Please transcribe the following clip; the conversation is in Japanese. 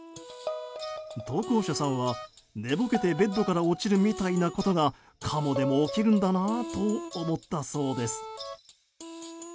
投稿者さんは寝ぼけてベッドから落ちるみたいなことがカモでも起きるんだなと思ったそうです。